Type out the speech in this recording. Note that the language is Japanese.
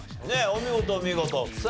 お見事お見事。